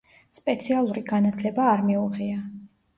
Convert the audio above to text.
სპეციალური განათლება არ მიუღია.